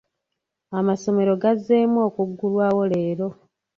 Amasomero gazzeemu okuggulwawo leero.